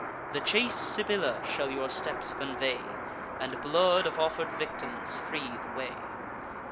The chaste Sibylla shall your steps convey, And blood of offer'd victims free the way.